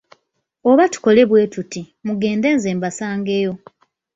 Oba tukole bwe tuti, mugende nze mbasangeyo.